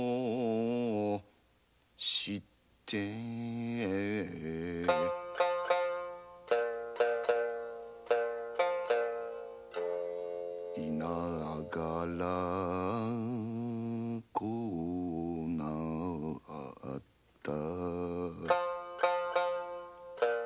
「知っていながらこうなった」